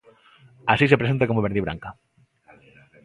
Así se presenta como verdibranca.